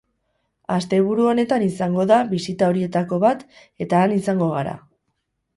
Asteburu honetan izango da bisita horietako bat eta han izango gara.